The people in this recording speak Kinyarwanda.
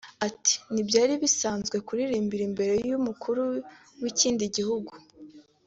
Ati “Ntibyari bisanzwe kuririmbira imbere y’Umukuru w’ikindi gihugu